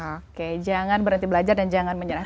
oke jangan berhenti belajar dan jangan menyerah